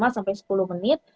lima sampai sepuluh menit